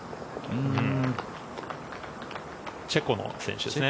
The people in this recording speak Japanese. チェコの選手ですね